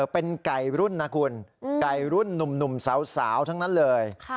เป็นไก่รุ่นนะคุณไก่รุ่นหนุ่มสาวทั้งนั้นเลย